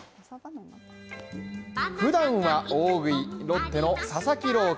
ふだんは大食いロッテの佐々木朗希。